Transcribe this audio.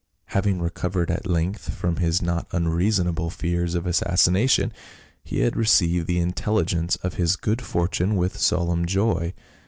Having recovered at length from his not unreason able fears of assassination, he had received the intelli gence of his good fortune with solemn joy.